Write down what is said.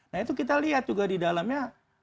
nah itu kita lihat juga di dalamnya